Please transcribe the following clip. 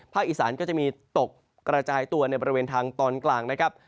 อีสานก็จะมีตกกระจายตัวในบริเวณทางตอนกลางนะครับ